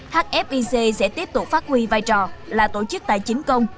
hfic sẽ tiếp tục phát huy vai trò là tổ chức tài chính công